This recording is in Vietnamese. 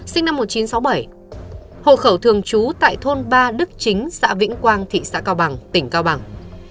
sinh năm một nghìn chín trăm sáu mươi bảy hộ khẩu thường trú tại thôn ba đức chính xã vĩnh quang thị xã cao bằng tỉnh cao bằng